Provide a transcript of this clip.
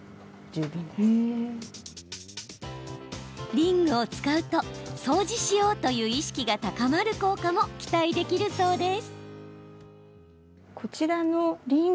リングを使うと掃除しようという意識が高まる効果も期待できるそうです。